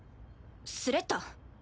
スレッタ？